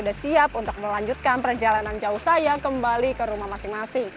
sudah siap untuk melanjutkan perjalanan jauh saya kembali ke rumah masing masing